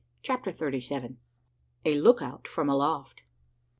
CHAPTER THIRTY SEVEN. A LOOKOUT FROM ALOFT.